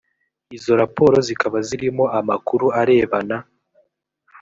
izo raporo zikaba zirimo amakuru arebana